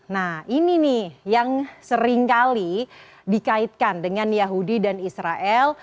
nah ini nih yang seringkali dikaitkan dengan yahudi dan israel